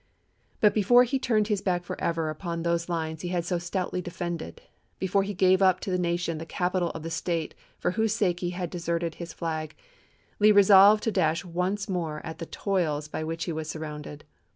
But before he turned his back forever upon those lines he had so stoutly defended, before he gave up to the nation the capital of the State for whose sake he had deserted his flag, Lee resolved to dash once more at the toils by which he was surrounded.